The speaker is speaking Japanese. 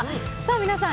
皆さん